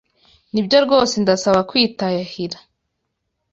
Nibyo rwose ndasaba kwitahira.